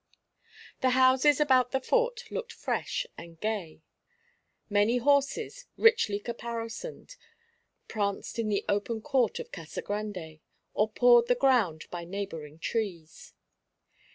The houses about the fort looked fresh and gay. Many horses, richly caparisoned, pranced in the open court of Casa Grande, or pawed the ground by neighbouring trees.